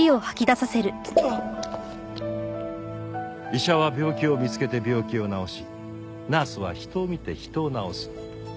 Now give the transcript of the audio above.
医者は病気を見つけて病気を治しナースは人を見て人を治す。